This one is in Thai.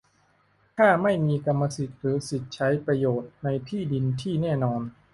ถ้าไม่มีกรรมสิทธิ์หรือสิทธิ์ใช้ประโยชน์ในที่ดินที่แน่นอน